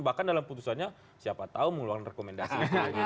bahkan dalam putusannya siapa tahu mengeluarkan rekomendasi